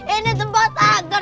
ini tempat agar tau gak